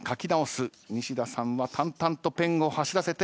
西田さんは淡々とペンを走らせて。